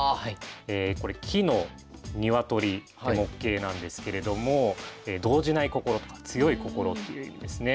これ木の鶏で「木鶏」なんですけれども動じない心とか強い心という意味ですね。